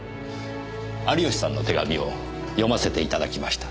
有吉さんの手紙を読ませていただきました。